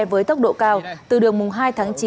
với tốc độ cao từ đường mùng hai tháng chín